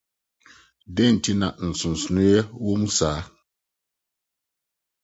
Dɛn nti na nsonsonoe wom saa?